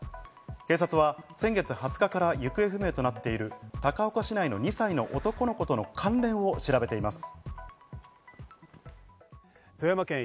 警察は先月２０日から行方不明となっている高岡市内の２歳の男の子との関連を調べています。